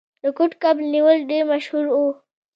د کوډ کب نیول ډیر مشهور و.